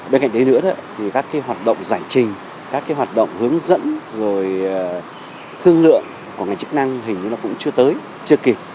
bên cạnh đấy nữa thì các hoạt động giải trình các hoạt động hướng dẫn rồi thương lượng của ngành chức năng hình như nó cũng chưa tới chưa kịp